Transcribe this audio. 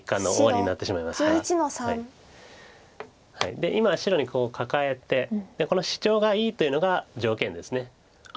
で今白にカカえてこのシチョウがいいというのが条件です。